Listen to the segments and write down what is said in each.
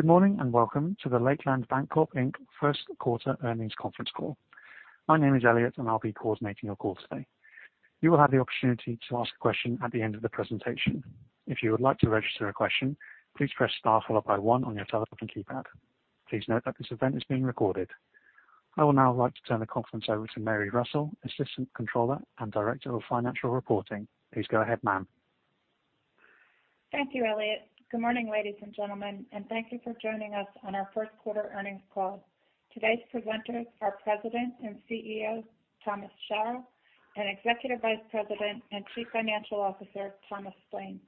Good morning, and welcome to the Lakeland Bancorp, Inc. first quarter earnings conference call. My name is Elliot, and I'll be coordinating your call today. You will have the opportunity to ask a question at the end of the presentation. If you would like to register a question, please press star followed by one on your telephone keypad. Please note that this event is being recorded. I will now like to turn the conference over to Mary Russell, Assistant Controller and Director of Financial Reporting. Please go ahead, ma'am. Thank you, Elliot. Good morning, ladies and gentlemen, and thank you for joining us on our first quarter earnings call. Today's presenters are President and CEO, Thomas J. Shara, and Executive Vice President and Chief Financial Officer, Thomas F. Splaine.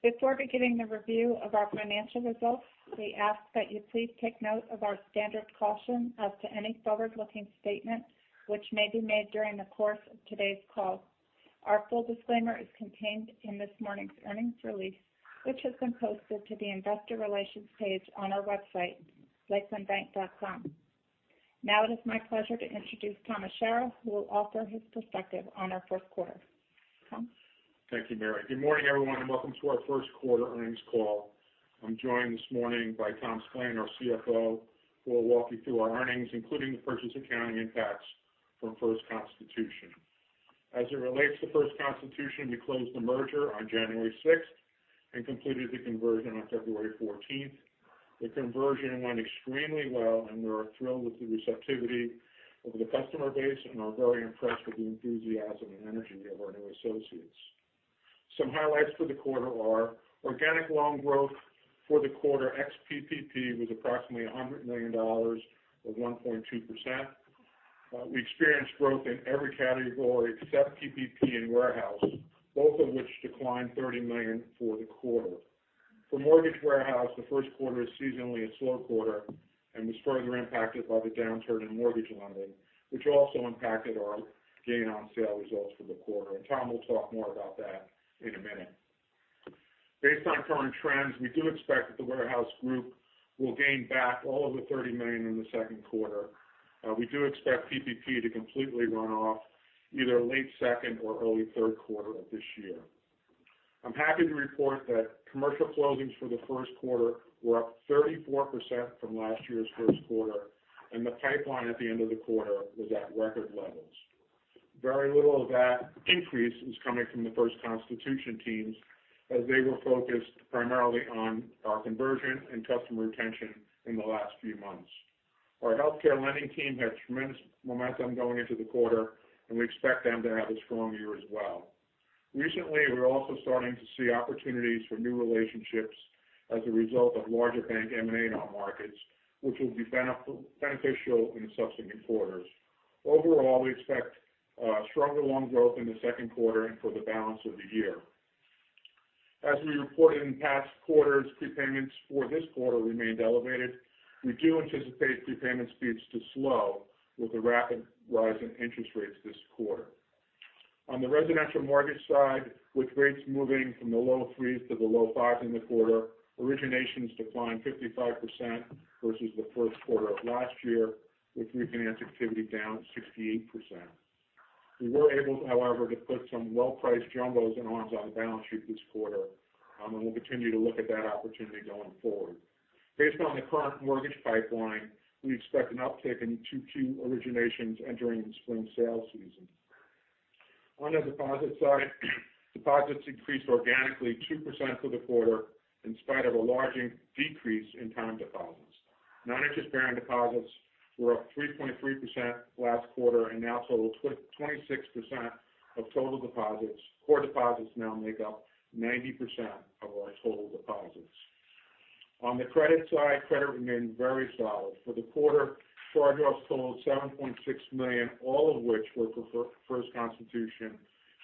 Before beginning the review of our financial results, we ask that you please take note of our standard caution as to any forward-looking statements which may be made during the course of today's call. Our full disclaimer is contained in this morning's earnings release, which has been posted to the investor relations page on our website, lakelandbank.com. Now it is my pleasure to introduce Thomas J. Shara, who will offer his perspective on our fourth quarter. Tom? Thank you, Mary. Good morning, everyone, and welcome to our first quarter earnings call. I'm joined this morning by Tom Splaine, our CFO, who will walk you through our earnings, including the purchase accounting impacts from 1st Constitution. As it relates to 1st Constitution, we closed the merger on January sixth and completed the conversion on February fourteenth. The conversion went extremely well, and we are thrilled with the receptivity of the customer base and are very impressed with the enthusiasm and energy of our new associates. Some highlights for the quarter are organic loan growth for the quarter ex-PPP was approximately $100 million or 1.2%. We experienced growth in every category except PPP and warehouse, both of which declined $30 million for the quarter. For mortgage warehouse, the first quarter is seasonally a slow quarter and was further impacted by the downturn in mortgage lending, which also impacted our gain on sale results for the quarter. Tom will talk more about that in a minute. Based on current trends, we do expect that the warehouse group will gain back all of the $30 million in the second quarter. We do expect PPP to completely run off either late second or early third quarter of this year. I'm happy to report that commercial closings for the first quarter were up 34% from last year's first quarter, and the pipeline at the end of the quarter was at record levels. Very little of that increase is coming from the 1st Constitution teams as they were focused primarily on our conversion and customer retention in the last few months. Our healthcare lending team had tremendous momentum going into the quarter, and we expect them to have a strong year as well. Recently, we're also starting to see opportunities for new relationships as a result of larger bank M&A on markets, which will be beneficial in subsequent quarters. Overall, we expect stronger loan growth in the second quarter and for the balance of the year. As we reported in past quarters, prepayments for this quarter remained elevated. We do anticipate prepayment speeds to slow with the rapid rise in interest rates this quarter. On the residential mortgage side, with rates moving from the low 3s to the low 5s in the quarter, originations declined 55% versus the first quarter of last year, with refinance activity down 68%. We were able, however, to put some well-priced jumbos and arms on the balance sheet this quarter, and we'll continue to look at that opportunity going forward. Based on the current mortgage pipeline, we expect an uptick in two key originations entering the spring sales season. On the deposit side, deposits increased organically 2% for the quarter in spite of a large increase in time deposits. Non-interest-bearing deposits were up 3.3% last quarter and now total 26% of total deposits. Core deposits now make up 90% of our total deposits. On the credit side, credit remained very solid. For the quarter, charge-offs totaled $7.6 million, all of which were for 1st Constitution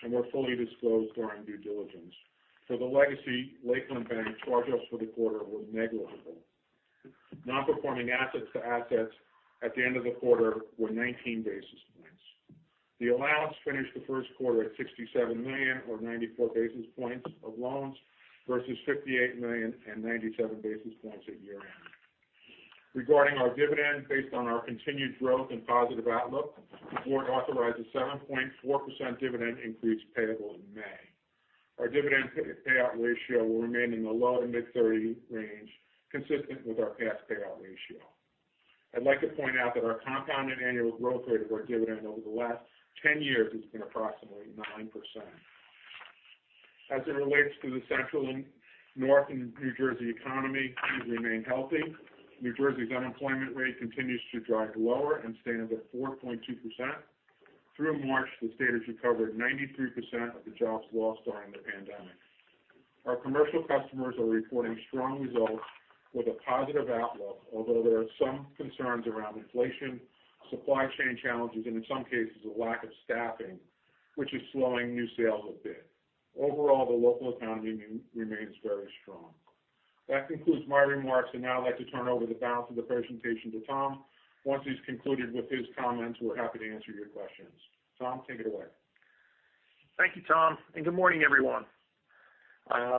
and were fully disclosed during due diligence. For the legacy, Lakeland Bank charge-offs for the quarter were negligible. Non-performing assets to assets at the end of the quarter were 19 basis points. The allowance finished the first quarter at $67 million or 94 basis points of loans versus $58 million and 97 basis points at year-end. Regarding our dividend based on our continued growth and positive outlook, the board authorized a 7.4% dividend increase payable in May. Our dividend payout ratio will remain in the low to mid 30 range, consistent with our past payout ratio. I'd like to point out that our compounded annual growth rate of our dividend over the last 10 years has been approximately 9%. As it relates to the Central and North New Jersey economy, it remained healthy. New Jersey's unemployment rate continues to drive lower and stands at 4.2%. Through March, the state has recovered 93% of the jobs lost during the pandemic. Our commercial customers are reporting strong results with a positive outlook, although there are some concerns around inflation, supply chain challenges, and in some cases, a lack of staffing, which is slowing new sales a bit. Overall, the local economy remains very strong. That concludes my remarks. I'd now like to turn over the balance of the presentation to Tom. Once he's concluded with his comments, we're happy to answer your questions. Tom, take it away. Thank you, Tom, and good morning, everyone.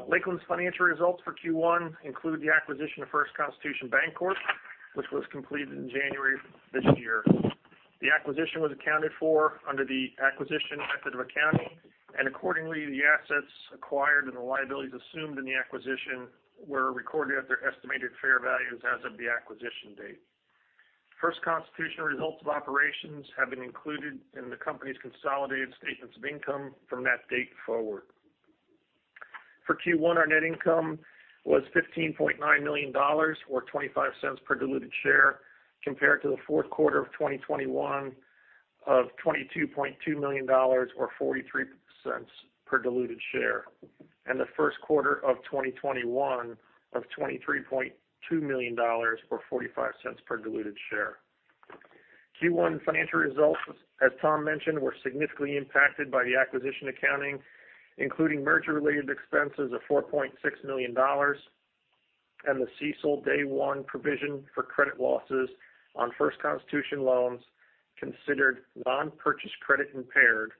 Lakeland's financial results for Q1 include the acquisition of 1st Constitution Bancorp, which was completed in January this year. The acquisition was accounted for under the acquisition method of accounting, and accordingly, the assets acquired and the liabilities assumed in the acquisition were recorded at their estimated fair values as of the acquisition date. 1st Constitution results of operations have been included in the company's consolidated statements of income from that date forward. For Q1, our net income was $15.9 million or $0.25 per diluted share, compared to the fourth quarter of 2021 of $22.2 million or $0.43 per diluted share. The first quarter of 2021 of $23.2 million or $0.45 per diluted share. Q1 financial results, as Tom mentioned, were significantly impacted by the acquisition accounting, including merger-related expenses of $4.6 million and the CECL Day 1 provision for credit losses on 1st Constitution loans considered non-purchased credit impaired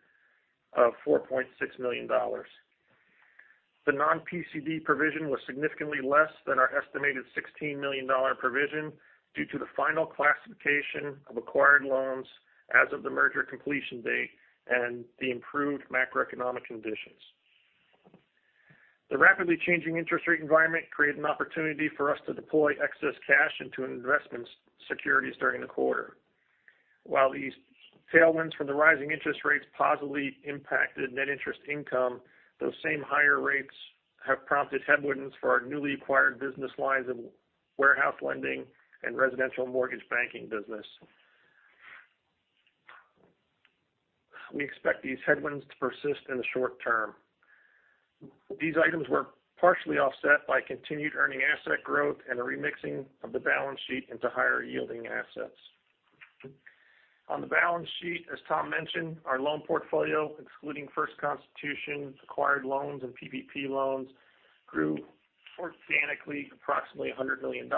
of $4.6 million. The non-PCD provision was significantly less than our estimated $16 million provision due to the final classification of acquired loans as of the merger completion date and the improved macroeconomic conditions. The rapidly changing interest rate environment created an opportunity for us to deploy excess cash into investment securities during the quarter. While these tailwinds from the rising interest rates positively impacted net interest income, those same higher rates have prompted headwinds for our newly acquired business lines of warehouse lending and residential mortgage banking business. We expect these headwinds to persist in the short term. These items were partially offset by continued earning asset growth and a remixing of the balance sheet into higher-yielding assets. On the balance sheet, as Tom mentioned, our loan portfolio, excluding 1st Constitution's acquired loans and PPP loans, grew organically approximately $100 million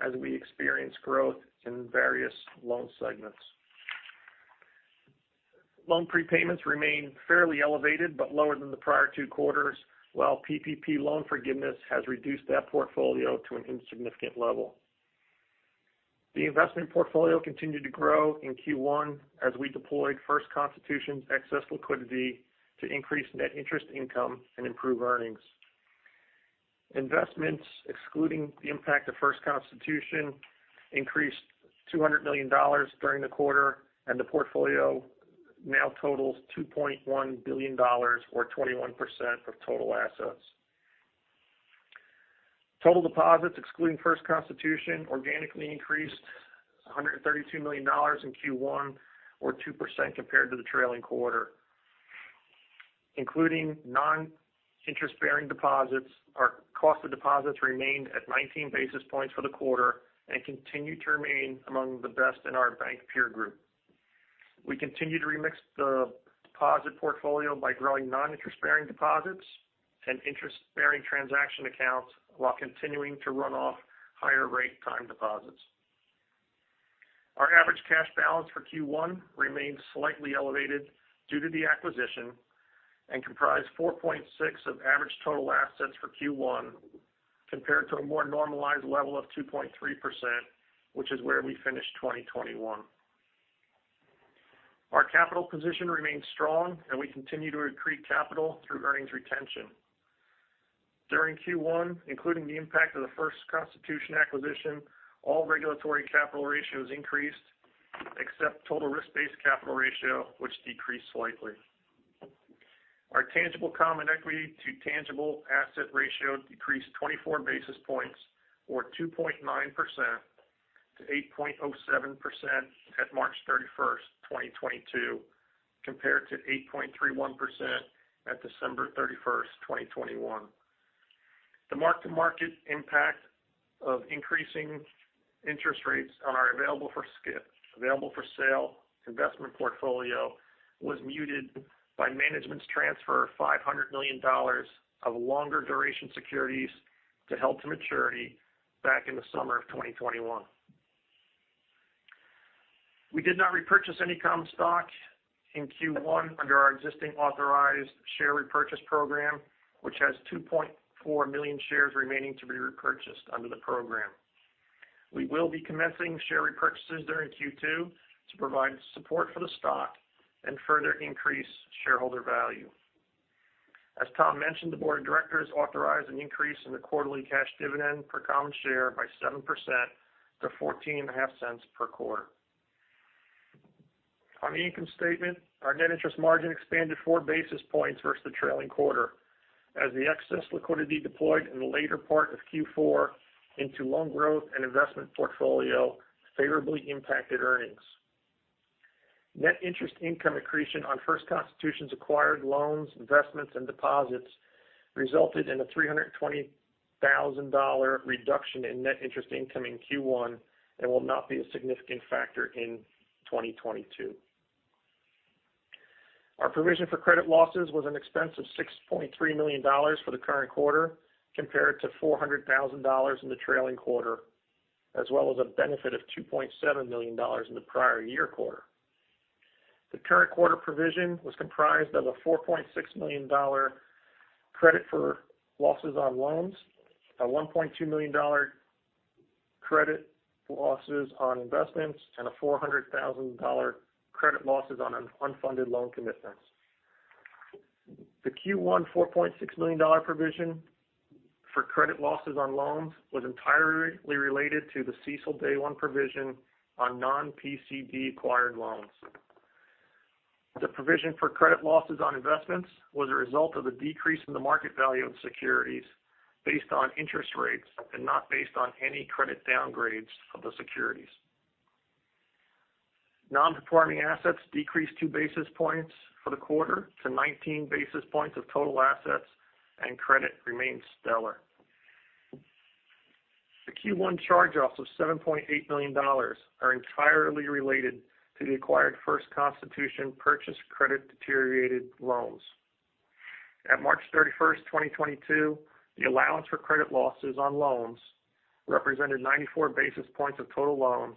as we experienced growth in various loan segments. Loan prepayments remain fairly elevated but lower than the prior two quarters, while PPP loan forgiveness has reduced that portfolio to an insignificant level. The investment portfolio continued to grow in Q1 as we deployed 1st Constitution's excess liquidity to increase net interest income and improve earnings. Investments, excluding the impact of 1st Constitution, increased $200 million during the quarter, and the portfolio now totals $2.1 billion or 21% of total assets. Total deposits, excluding 1st Constitution, organically increased $132 million in Q1 or 2% compared to the trailing quarter. Including non-interest-bearing deposits, our cost of deposits remained at 19 basis points for the quarter and continued to remain among the best in our bank peer group. We continue to remix the deposit portfolio by growing non-interest-bearing deposits and interest-bearing transaction accounts while continuing to run off higher rate time deposits. Our average cash balance for Q1 remains slightly elevated due to the acquisition and comprise 4.6% of average total assets for Q1 compared to a more normalized level of 2.3%, which is where we finished 2021. Our capital position remains strong, and we continue to accrete capital through earnings retention. During Q1, including the impact of the 1st Constitution acquisition, all regulatory capital ratios increased, except total risk-based capital ratio, which decreased slightly. Our tangible common equity-to-tangible asset ratio decreased 24 basis points or 2.9% to 8.07% at March 31, 2022, compared to 8.31% at December 31, 2021. The mark-to-market impact of increasing interest rates on our available-for-sale investment portfolio was muted by management's transfer of $500 million of longer duration securities to held-to-maturity back in the summer of 2021. We did not repurchase any common stock in Q1 under our existing authorized share repurchase program, which has 2.4 million shares remaining to be repurchased under the program. We will be commencing share repurchases during Q2 to provide support for the stock and further increase shareholder value. As Tom mentioned, the board of directors authorized an increase in the quarterly cash dividend per common share by 7% to $0.145 per quarter. On the income statement, our net interest margin expanded four basis points versus the trailing quarter as the excess liquidity deployed in the later part of Q4 into loan growth and investment portfolio favorably impacted earnings. Net interest income accretion on 1st Constitution's acquired loans, investments, and deposits resulted in a $320,000 reduction in net interest income in Q1 and will not be a significant factor in 2022. Our provision for credit losses was an expense of $6.3 million for the current quarter compared to $400 thousand in the trailing quarter, as well as a benefit of $2.7 million in the prior year quarter. The current quarter provision was comprised of a $4.6 million credit for losses on loans, a $1.2 million credit for losses on investments, and a $400 thousand credit for losses on an unfunded loan commitments. The Q1 $4.6 million provision for credit losses on loans was entirely related to the CECL day one provision on non-PCD acquired loans. The provision for credit losses on investments was a result of the decrease in the market value of securities based on interest rates and not based on any credit downgrades of the securities. Non-performing assets decreased 2 basis points for the quarter to 19 basis points of total assets and credit remains stellar. The Q1 charge-offs of $7.8 million are entirely related to the acquired 1st Constitution purchased credit deteriorated loans. At March 31, 2022, the allowance for credit losses on loans represented 94 basis points of total loans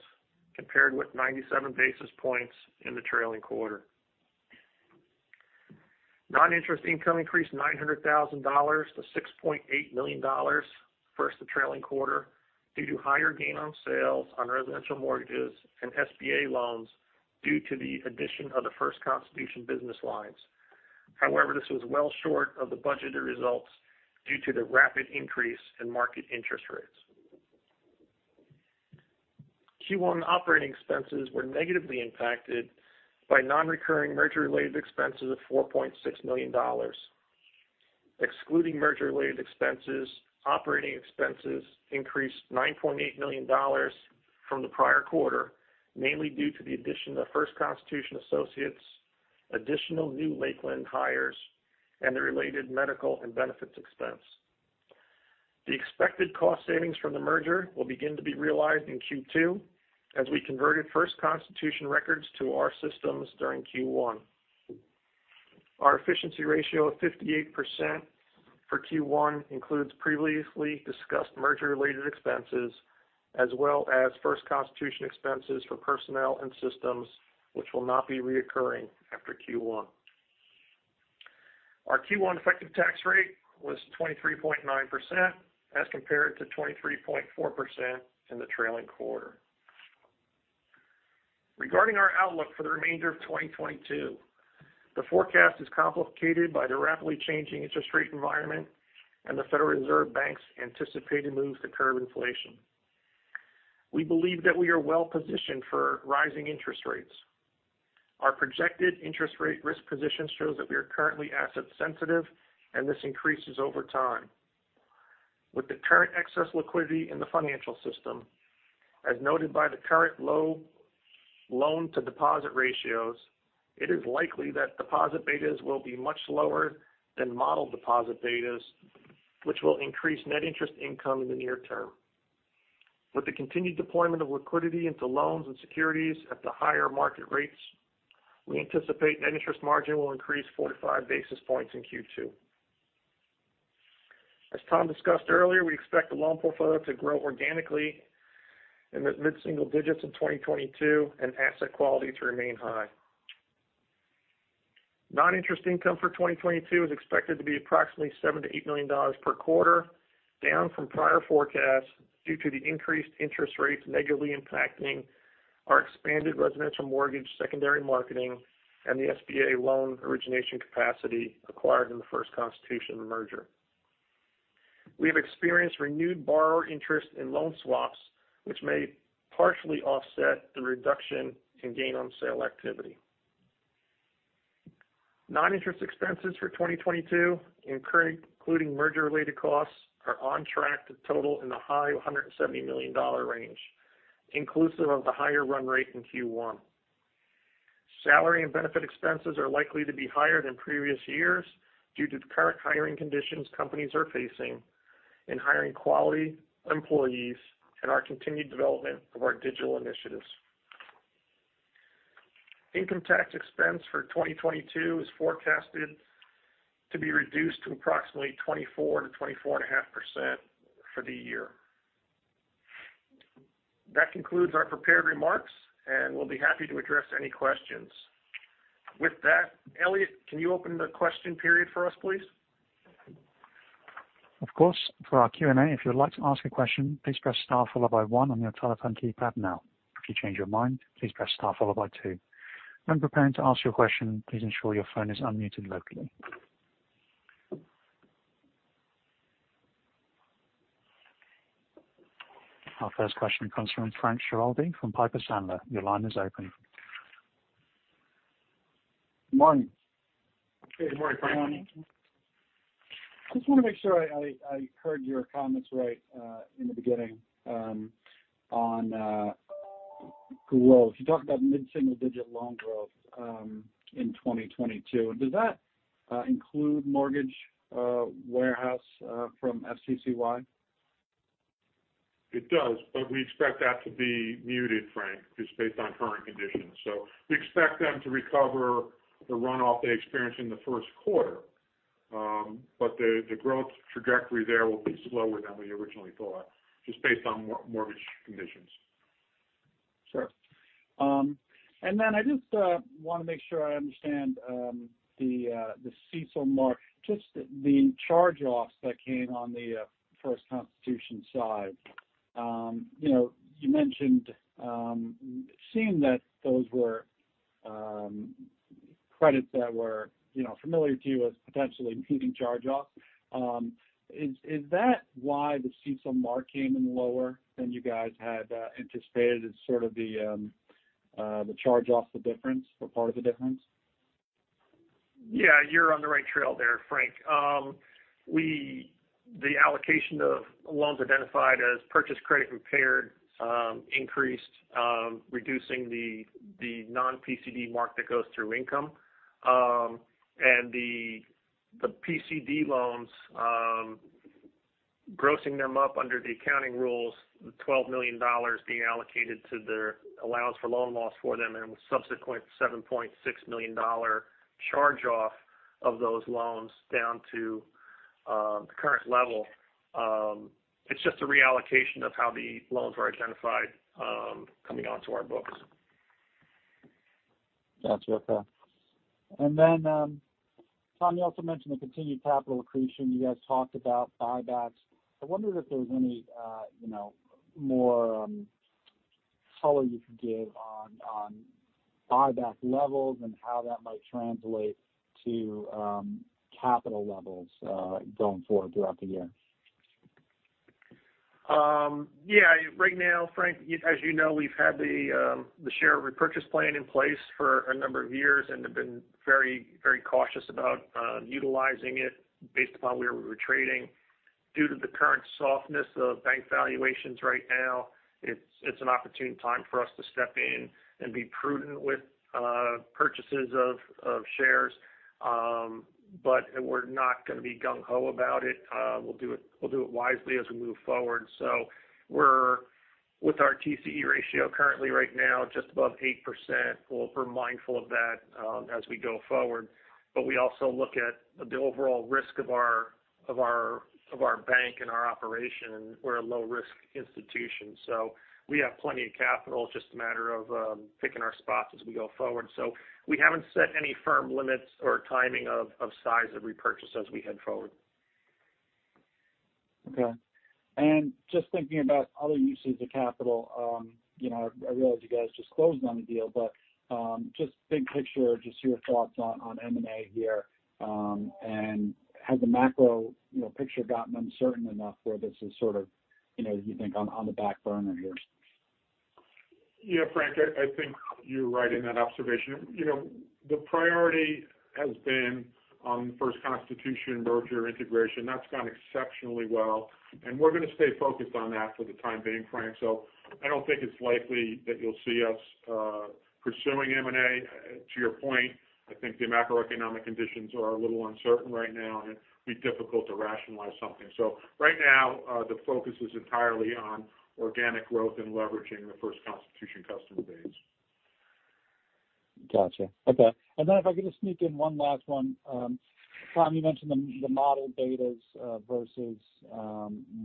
compared with 97 basis points in the trailing quarter. Non-interest income increased $900,000 to $6.8 million versus the trailing quarter due to higher gain on sales on residential mortgages and SBA loans due to the addition of the 1st Constitution business lines. However, this was well short of the budgeted results due to the rapid increase in market interest rates. Q1 operating expenses were negatively impacted by non-recurring merger related expenses of $4.6 million. Excluding merger related expenses, operating expenses increased $9.8 million from the prior quarter, mainly due to the addition of 1st Constitution, additional new Lakeland hires, and the related medical and benefits expense. The expected cost savings from the merger will begin to be realized in Q2 as we converted 1st Constitution records to our systems during Q1. Our efficiency ratio of 58% for Q1 includes previously discussed merger related expenses as well as 1st Constitution expenses for personnel and systems which will not be recurring after Q1. Our Q1 effective tax rate was 23.9% as compared to 23.4% in the trailing quarter. Regarding our outlook for the remainder of 2022, the forecast is complicated by the rapidly changing interest rate environment and the Federal Reserve's anticipated moves to curb inflation. We believe that we are well-positioned for rising interest rates. Our projected interest rate risk position shows that we are currently asset sensitive and this increases over time. With the current excess liquidity in the financial system, as noted by the current low loan to deposit ratios, it is likely that deposit betas will be much lower than model deposit betas, which will increase net interest income in the near term. With the continued deployment of liquidity into loans and securities at the higher market rates, we anticipate net interest margin will increase 45 basis points in Q2. As Tom discussed earlier, we expect the loan portfolio to grow organically in the mid-single digits in 2022 and asset quality to remain high. Non-interest income for 2022 is expected to be approximately $7 million-$8 million per quarter, down from prior forecasts due to the increased interest rates negatively impacting our expanded residential mortgage secondary marketing and the SBA loan origination capacity acquired in the 1st Constitution merger. We have experienced renewed borrower interest in loan swaps, which may partially offset the reduction in gain on sale activity. Non-interest expenses for 2022 including merger related costs, are on track to total in the high $170 million range, inclusive of the higher run rate in Q1. Salary and benefit expenses are likely to be higher than previous years due to the current hiring conditions companies are facing in hiring quality employees and our continued development of our digital initiatives. Income tax expense for 2022 is forecasted to be reduced to approximately 24%-24.5% for the year. That concludes our prepared remarks, and we'll be happy to address any questions. With that, Elliot, can you open the question period for us, please? Of course. For our Q&A, if you'd like to ask a question, please press star followed by one on your telephone keypad now. If you change your mind, please press star followed by two. When preparing to ask your question, please ensure your phone is unmuted locally. Our first question comes from Frank Schiraldi from Piper Sandler. Your line is open. Good morning. Good morning, Frank. Just want to make sure I heard your comments right in the beginning on growth. You talked about mid-single-digit loan growth in 2022. Does that include mortgage warehouse from FCCY? It does. We expect that to be muted, Frank, just based on current conditions. We expect them to recover the runoff they experienced in the first quarter. The growth trajectory there will be slower than we originally thought, just based on mortgage conditions. Sure. I just want to make sure I understand the CECL mark. Just the charge-offs that came on the 1st Constitution side. You know, you mentioned seeing that those were credits that were, you know, familiar to you as potentially needing charge-off. Is that why the CECL mark came in lower than you guys had anticipated as sort of the charge-off, the difference or part of the difference? Yeah, you're on the right track there, Frank. The allocation of loans identified as purchased credit impaired increased, reducing the non-PCD mark that goes through income. The PCD loans, grossing them up under the accounting rules, the $12 million being allocated to their allowance for loan loss for them and subsequent $7.6 million charge off of those loans down to the current level. It's just a reallocation of how the loans were identified coming onto our books. That's okay. Tom, you also mentioned the continued capital accretion. You guys talked about buybacks. I wondered if there was any more color you could give on buyback levels and how that might translate to capital levels going forward throughout the year. Yeah. Right now, Frank, as you know, we've had the share repurchase plan in place for a number of years and have been very cautious about utilizing it based upon where we were trading. Due to the current softness of bank valuations right now, it's an opportune time for us to step in and be prudent with purchases of shares. We're not gonna be gung ho about it. We'll do it wisely as we move forward. We're with our TCE ratio currently right now, just above 8%. We're mindful of that as we go forward. We also look at the overall risk of our bank and our operation. We're a low risk institution, so we have plenty of capital. Just a matter of picking our spots as we go forward. We haven't set any firm limits or timing of size of repurchase as we head forward. Okay. Just thinking about other uses of capital. I realize you guys just closed on the deal, but just big picture, just your thoughts on M&A here. Has the macro picture gotten uncertain enough where this is sort of you think on the back burner here? Yeah, Frank, I think you're right in that observation. You know, the priority has been on 1st Constitution merger integration. That's gone exceptionally well, and we're gonna stay focused on that for the time being, Frank. I don't think it's likely that you'll see us pursuing M&A. To your point, I think the macroeconomic conditions are a little uncertain right now, and it'd be difficult to rationalize something. Right now, the focus is entirely on organic growth and leveraging the 1st Constitution customer base. Gotcha. Okay. If I could just sneak in one last one. Tom, you mentioned the model betas versus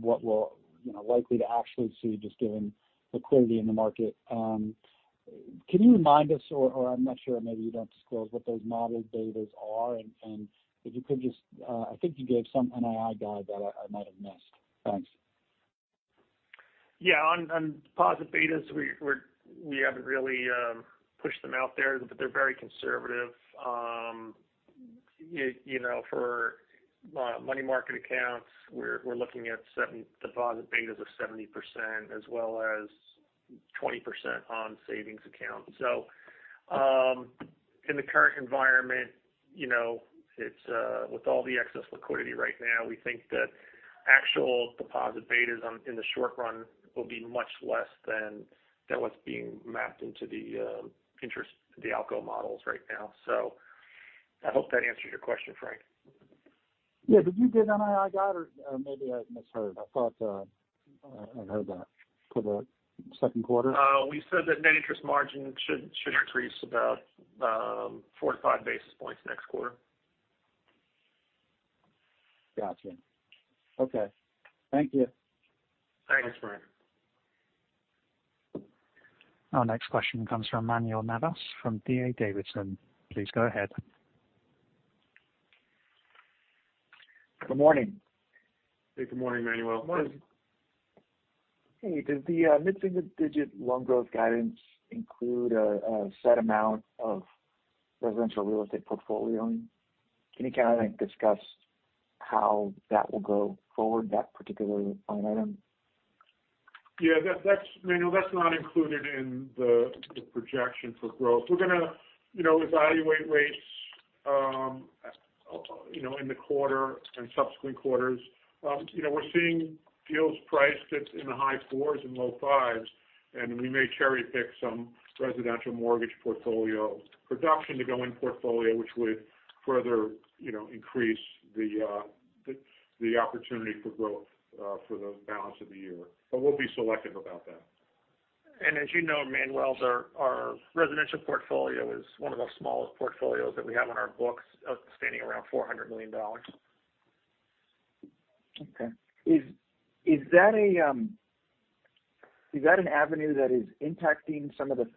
what we're, you know, likely to actually see just given liquidity in the market. Can you remind us or I'm not sure, maybe you don't disclose what those model betas are? If you could just, I think you gave some NII guide that I might have missed. Thanks. Yeah. On deposit betas, we haven't really pushed them out there, but they're very conservative. You know, for money market accounts, we're looking at deposit betas of 70% as well as 20% on savings accounts. In the current environment, you know, it's with all the excess liquidity right now, we think that actual deposit betas in the short run will be much less than what's being mapped into the interest, the ALCO models right now. I hope that answered your question, Frank. Yeah. You did an NII guide or maybe I misheard. I thought, I heard that for the second quarter. We said that net interest margin should increase about 4-5 basis points next quarter. Gotcha. Okay. Thank you. Thanks, Frank. Our next question comes from Manuel Navas from D.A. Davidson. Please go ahead. Good morning. Hey, good morning, Manuel. Good morning. Hey. Does the mid-single digit loan growth guidance include a set amount of residential real estate portfolio? Can you kind of discuss how that will go forward, that particular line item? Yeah, that's Manuel, that's not included in the projection for growth. We're gonna, you know, evaluate rates, you know, in the quarter and subsequent quarters. You know, we're seeing deals priced at, in the high fours and low fives, and we may cherry-pick some residential mortgage portfolio production to go in portfolio, which would further, you know, increase the opportunity for growth, for the balance of the year. We'll be selective about that. As you know, Manuel, our residential portfolio is one of the smallest portfolios that we have on our books, standing around $400 million. Is that an avenue that is impacting some of the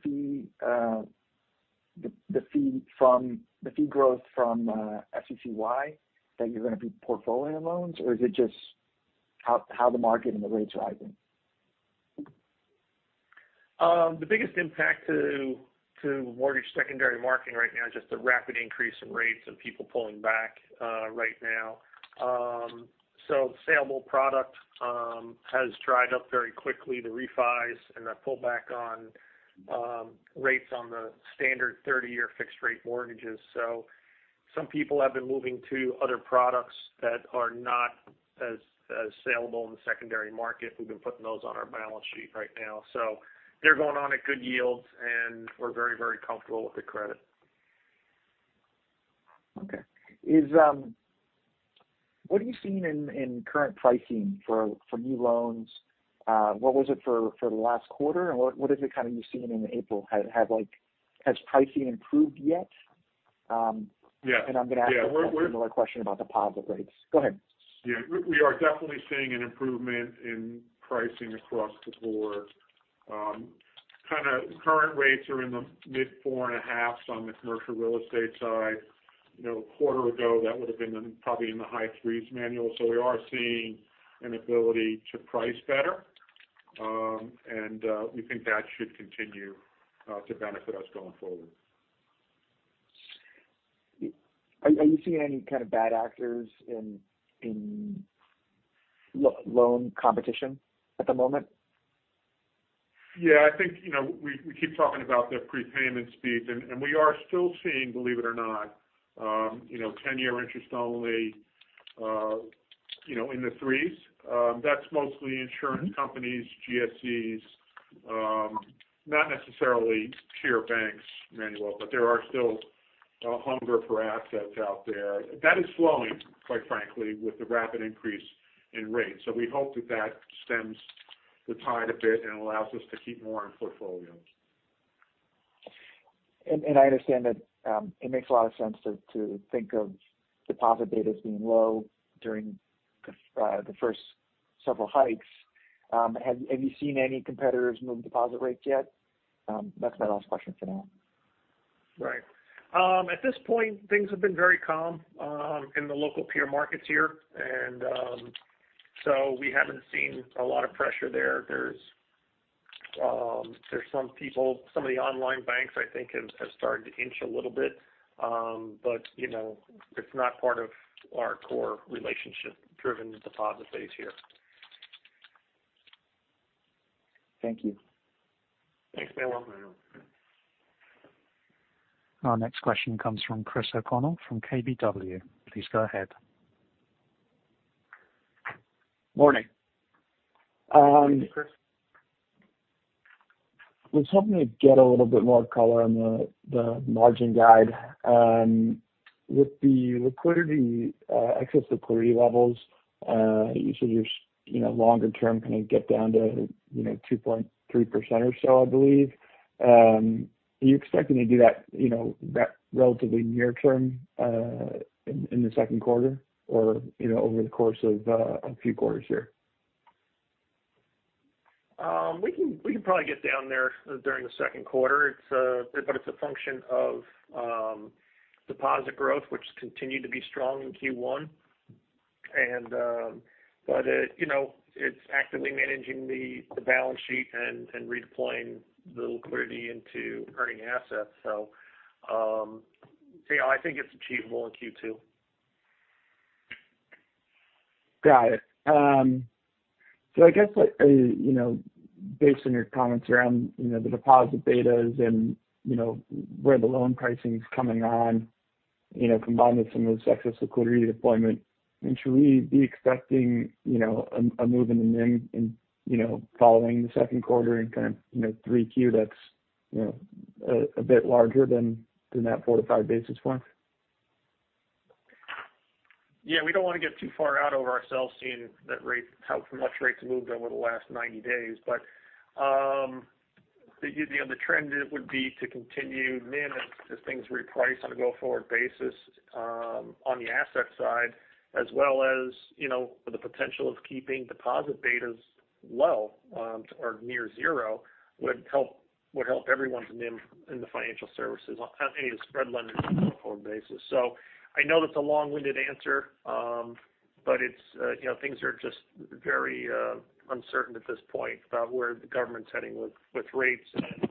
fee growth from FCCY that you're gonna be portfolio loans? Or is it just how the market and the rates are rising? The biggest impact to mortgage secondary marketing right now is just the rapid increase in rates and people pulling back right now. Saleable product has dried up very quickly, the refis and the pull back on rates on the standard 30-year fixed rate mortgages. Some people have been moving to other products that are not as saleable in the secondary market. We've been putting those on our balance sheet right now. They're going on at good yields, and we're very comfortable with the credit. Okay. What are you seeing in current pricing for new loans? What was it for the last quarter? What is it kind of you're seeing in April? Like, has pricing improved yet? Yeah. I'm gonna ask a similar question about deposit rates. Go ahead. Yeah. We are definitely seeing an improvement in pricing across the board. Kind of current rates are in the mid-4.5% on the commercial real estate side. You know, a quarter ago, that would've been probably in the high 3s%, Manuel. We are seeing an ability to price better, and we think that should continue to benefit us going forward. Are you seeing any kind of bad actors in loan competition at the moment? I think, you know, we keep talking about the prepayment speeds, and we are still seeing, believe it or not, you know, ten-year interest only, you know, in the threes. That's mostly insurance companies, GSEs, not necessarily pure banks, Manuel. But there are still a hunger for assets out there. That is slowing, quite frankly, with the rapid increase in rates. We hope that that stems the tide a bit and allows us to keep more in portfolio. I understand that it makes a lot of sense to think of deposit betas being low during the first several hikes. Have you seen any competitors move deposit rates yet? That's my last question for now. Right. At this point, things have been very calm in the local peer markets here. We haven't seen a lot of pressure there. There's some people, some of the online banks I think have started to inch a little bit. You know, it's not part of our core relationship-driven deposit base here. Thank you. Thanks, Manuel. Our next question comes from Chris O'Connell from KBW. Please go ahead. Morning. Good morning, Chris. I was hoping to get a little bit more color on the margin guide. With the liquidity, excess liquidity levels, you said your longer term kinda get down to, you know, 2.3% or so, I believe. Are you expecting to do that relatively near term in the second quarter or over the course of a few quarters here? We can probably get down there during the second quarter. It's a function of deposit growth, which has continued to be strong in Q1. You know, it's actively managing the balance sheet and redeploying the liquidity into earning assets. I think it's achievable in Q2. Got it. I guess, like, you know, based on your comments around, you know, the deposit betas and, you know, where the loan pricing is coming on, you know, combined with some of the excess liquidity deployment, I mean, should we be expecting, you know, a move in the NIM in, you know, following the second quarter and kind of, you know, 3Q that's, you know, a bit larger than that 4-5 basis points? Yeah. We don't wanna get too far out over ourselves seeing that rate, how much rates have moved over the last 90 days. The, you know, the trend would be to continue NIM as things reprice on a go-forward basis, on the asset side, as well as, you know, the potential of keeping deposit betas low, or near zero would help everyone's NIM in the financial services on any of the spread lenders on a going-forward basis. I know that's a long-winded answer, but it's, you know, things are just very uncertain at this point about where the government's heading with rates and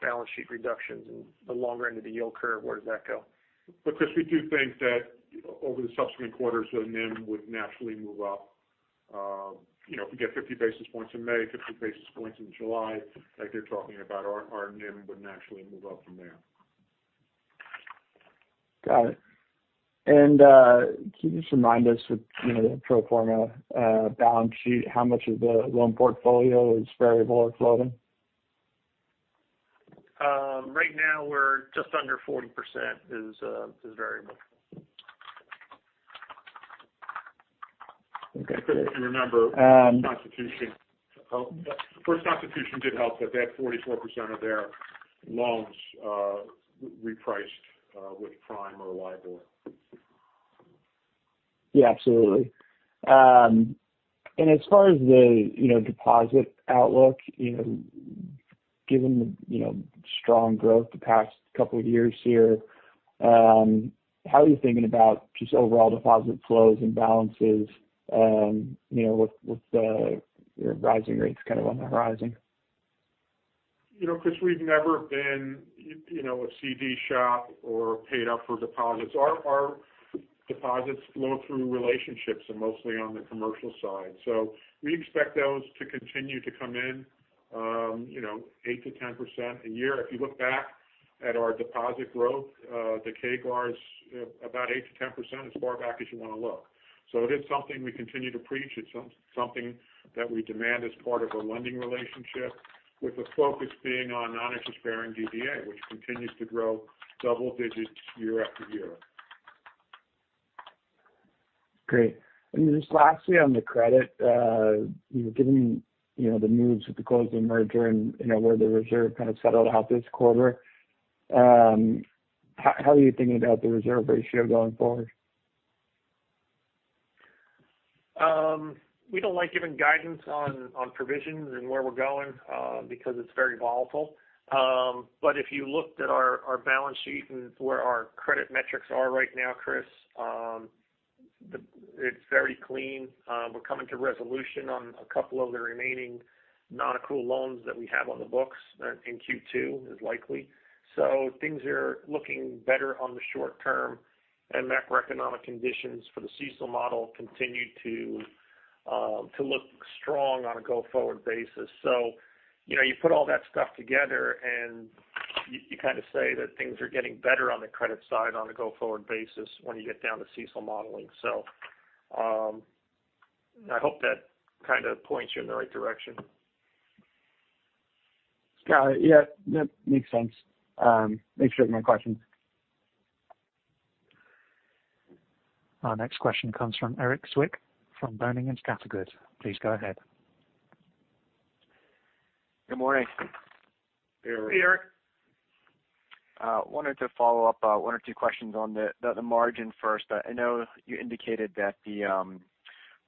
balance sheet reductions and the longer end of the yield curve, where does that go. Chris, we do think that over the subsequent quarters, the NIM would naturally move up. You know, if we get 50 basis points in May, 50 basis points in July, like you're talking about, our NIM would naturally move up from there. Got it. Can you just remind us with, you know, the pro forma balance sheet, how much of the loan portfolio is variable or floating? Right now we're just under 40% is variable. If you remember, 1st Constitution. Oh. 1st Constitution did help that they had 44% of their loans, repriced, with prime or LIBOR. Yeah, absolutely. As far as the, you know, deposit outlook, you know, given the, you know, strong growth the past couple of years here, how are you thinking about just overall deposit flows and balances, you know, with your rising rates kind of on the horizon? You know, Chris, we've never been, you know, a CD shop or paid up for deposits. Our deposits flow through relationships and mostly on the commercial side. We expect those to continue to come in, you know, 8%-10% a year. If you look back at our deposit growth, the CAGR is about 8%-10% as far back as you want to look. It is something we continue to preach. It's something that we demand as part of our lending relationship, with the focus being on non-interest-bearing DDA, which continues to grow double digits year after year. Great. Just lastly, on the credit, you know, given, you know, the moves with the closing merger and you know, where the reserve kind of settled out this quarter, how are you thinking about the reserve ratio going forward? We don't like giving guidance on provisions and where we're going because it's very volatile. If you looked at our balance sheet and where our credit metrics are right now, Chris, it's very clean. We're coming to resolution on a couple of the remaining non-accrual loans that we have on the books in Q2 is likely. Things are looking better on the short term and macroeconomic conditions for the CECL model continue to look strong on a go-forward basis. You know, you put all that stuff together and you kind of say that things are getting better on the credit side on a go-forward basis when you get down to CECL modeling. I hope that kind of points you in the right direction. Got it. Yeah, that makes sense. Thanks for taking my questions. Our next question comes from Erik Zwick from Boenning & Scattergood. Please go ahead. Good morning. Hey, Eric. Hey, Eric. Wanted to follow up, one or two questions on the margin first. I know you indicated that the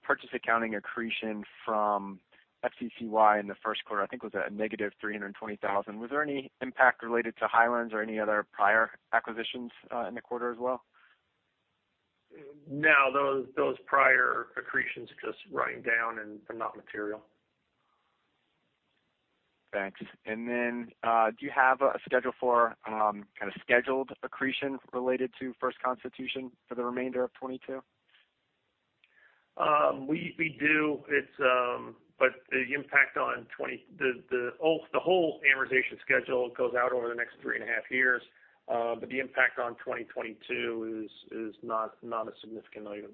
purchase accounting accretion from FCCY in the first quarter, I think was at a -$320,000. Was there any impact related to Highlands or any other prior acquisitions, in the quarter as well? No, those prior accretions are just writing down and they're not material. Thanks. Do you have a schedule for kind of scheduled accretion related to 1st Constitution for the remainder of 2022? We do. The whole amortization schedule goes out over the next 3.5 years. The impact on 2022 is not a significant item.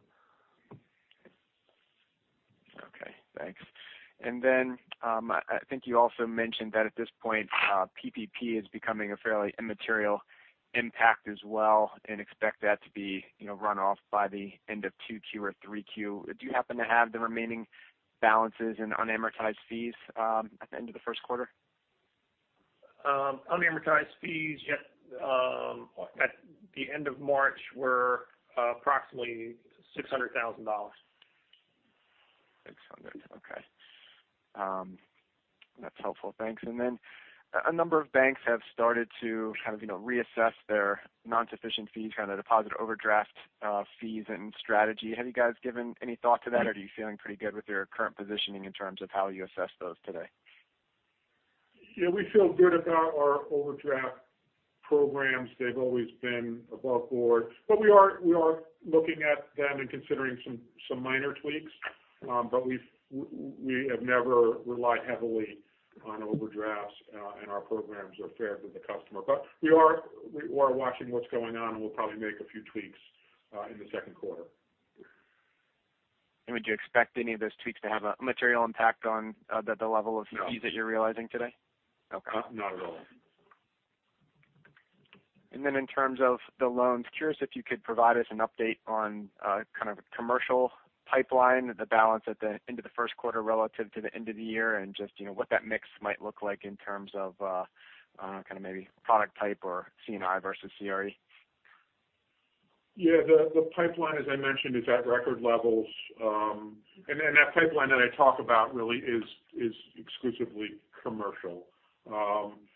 Okay, thanks. I think you also mentioned that at this point, PPP is becoming a fairly immaterial impact as well and expect that to be, you know, run off by the end of 2Q or 3Q. Do you happen to have the remaining balances in unamortized fees at the end of the first quarter? Unamortized fees, yeah, at the end of March were approximately $600,000. 600. Okay. That's helpful. Thanks. A number of banks have started to kind of, you know, reassess their NSF fees, kind of deposit overdraft fees and strategy. Have you guys given any thought to that? Or are you feeling pretty good with your current positioning in terms of how you assess those today? Yeah, we feel good about our overdraft programs. They've always been above board, but we are looking at them and considering some minor tweaks. We've never relied heavily on overdrafts, and our programs are fair to the customer. We are watching what's going on, and we'll probably make a few tweaks in the second quarter. Would you expect any of those tweaks to have a material impact on the level of fees? No. that you're realizing today? Okay. Not at all. In terms of the loans, curious if you could provide us an update on kind of commercial pipeline, the balance at the end of the first quarter relative to the end of the year. Just, you know, what that mix might look like in terms of kind of maybe product type or C&I versus CRE. Yeah, the pipeline, as I mentioned, is at record levels. Then that pipeline that I talk about really is exclusively commercial.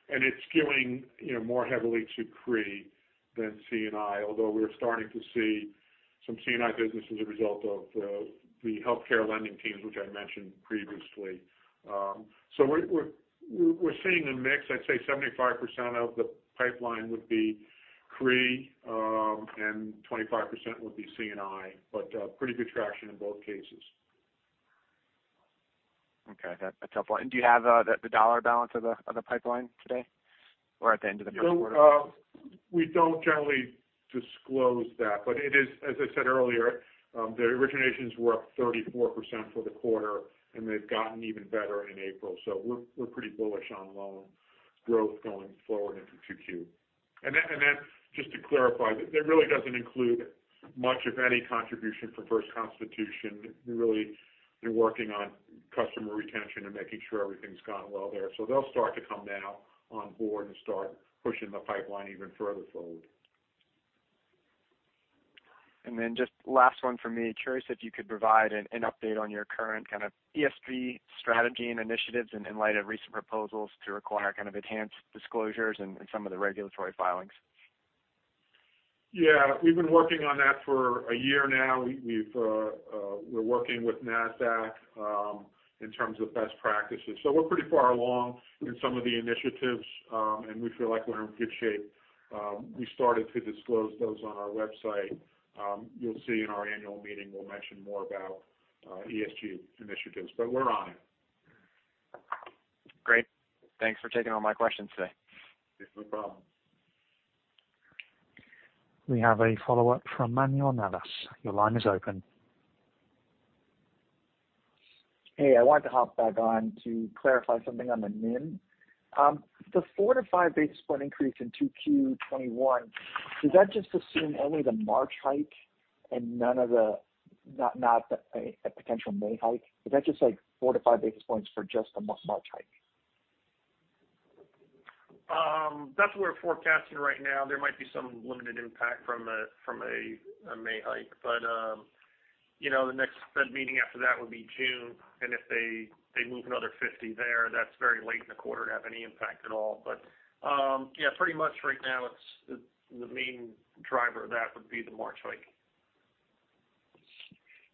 It's skewing, you know, more heavily to CRE than C&I, although we're starting to see some C&I business as a result of the healthcare lending teams, which I mentioned previously. We're seeing a mix. I'd say 75% of the pipeline would be CRE, and 25% would be C&I. Pretty good traction in both cases. Okay. That's helpful. Do you have the dollar balance of the pipeline today or at the end of the first quarter? No. We don't generally disclose that, but it is, as I said earlier, the originations were up 34% for the quarter and they've gotten even better in April. We're pretty bullish on loan growth going forward into 2Q. Just to clarify, that really doesn't include much of any contribution from 1st Constitution. Really, they're working on customer retention and making sure everything's gone well there. They'll start to come now on board and start pushing the pipeline even further forward. Just last one for me. Curious if you could provide an update on your current kind of ESG strategy and initiatives in light of recent proposals to require kind of enhanced disclosures in some of the regulatory filings? Yeah. We've been working on that for a year now. We're working with Nasdaq in terms of best practices. We're pretty far along in some of the initiatives, and we feel like we're in good shape. We started to disclose those on our website. You'll see in our annual meeting, we'll mention more about ESG initiatives, but we're on it. Great. Thanks for taking all my questions today. Yes, no problem. We have a follow-up from Manuel Navas. Your line is open. Hey, I wanted to hop back on to clarify something on the NIM. The 4-5 basis point increase in 2Q 2021, does that just assume only the March hike and none of the, not a potential May hike? Is that just like 4-5 basis points for just the March hike? That's what we're forecasting right now. There might be some limited impact from a May hike. You know, the next Fed meeting after that would be June, and if they move another 50 there, that's very late in the quarter to have any impact at all. Yeah, pretty much right now it's the main driver of that would be the March hike.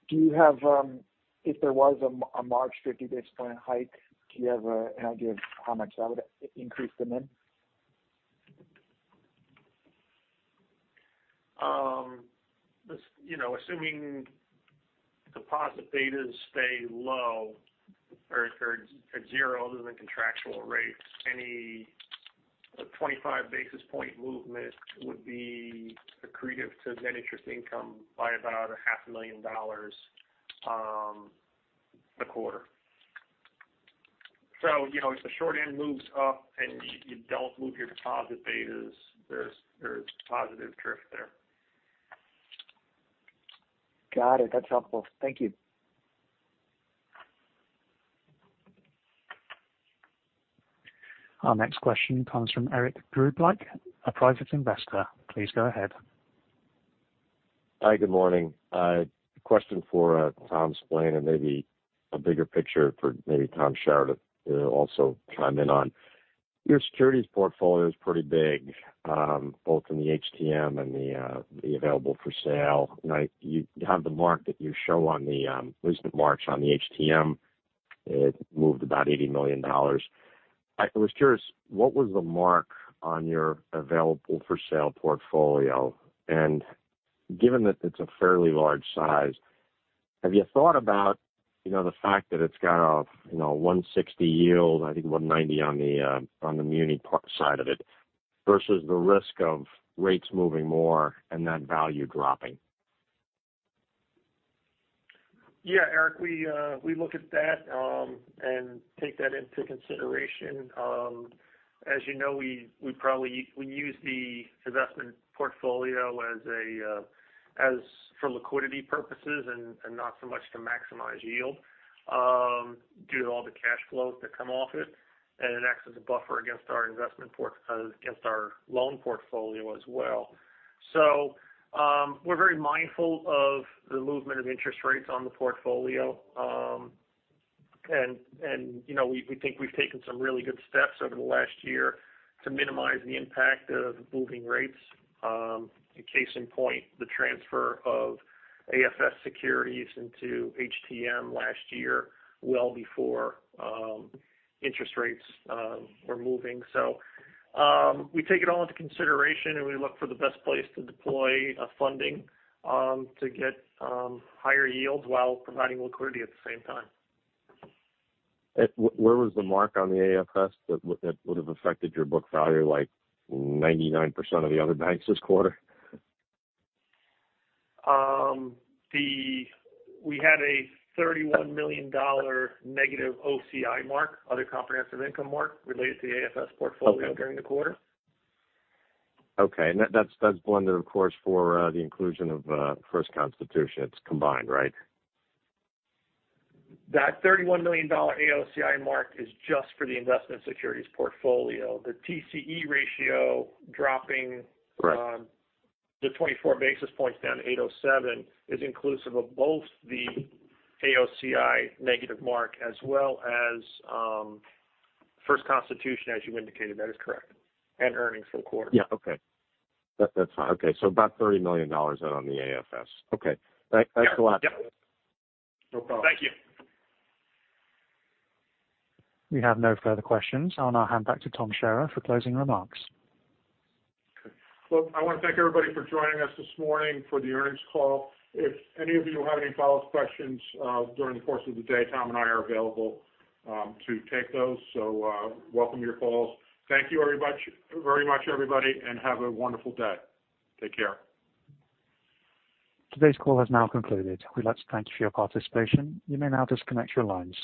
Do you have, if there was a March 50 basis point hike, do you have an idea of how much that would increase the NIM? This, you know, assuming deposit betas stay low or if they're at zero other than contractual rates, any 25 basis point movement would be accretive to net interest income by about half a million dollars a quarter. You know, if the short end moves up and you don't move your deposit betas, there's positive drift there. Got it. That's helpful. Thank you. Our next question comes from Eric Grubelich, a private investor. Please go ahead. Hi, good morning. A question for Tom Splaine and maybe a bigger picture for maybe Tom Shara to also chime in on. Your securities portfolio is pretty big both in the HTM and the available for sale. Like, you have the mark that you show on the at least in March on the HTM. It moved about $80 million. I was curious, what was the mark on your available for sale portfolio? And given that it's a fairly large size, have you thought about, you know, the fact that it's got a, you know, 1.60% yield, I think 1.90% on the on the muni part side of it versus the risk of rates moving more and that value dropping? Yeah, Eric, we look at that and take that into consideration. As you know, we probably use the investment portfolio as for liquidity purposes and not so much to maximize yield due to all the cash flows that come off it. It acts as a buffer against our loan portfolio as well. We're very mindful of the movement of interest rates on the portfolio. You know, we think we've taken some really good steps over the last year to minimize the impact of moving rates. A case in point, the transfer of AFS securities into HTM last year, well before interest rates were moving. We take it all into consideration, and we look for the best place to deploy funding to get higher yields while providing liquidity at the same time. Where was the mark on the AFS that would have affected your book value like 99% of the other banks this quarter? We had a $31 million negative OCI mark, other comprehensive income mark, related to the AFS portfolio during the quarter. Okay. That's blended of course, for the inclusion of 1st Constitution. It's combined, right? That $31 million AOCI mark is just for the investment securities portfolio. The TCE ratio dropping. Right. The 24 basis points down to 807 is inclusive of both the AOCI negative mark as well as 1st Constitution, as you indicated. That is correct. Earnings for the quarter. Yeah. Okay. That's fine. Okay. About $30 million out on the AFS. Okay. That- Yeah. That's the last. Yeah. No problem. Thank you. We have no further questions. I'll now hand back to Tom Shara for closing remarks. Okay. Look, I want to thank everybody for joining us this morning for the earnings call. If any of you have any follow-up questions, during the course of the day, Tom and I are available, to take those. Welcome your calls. Thank you very much, everybody, and have a wonderful day. Take care. Today's call has now concluded. We'd like to thank you for your participation. You may now disconnect your lines.